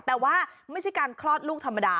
แต่ว่าไม่ใช่การคลอดลูกธรรมดา